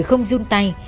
không run tay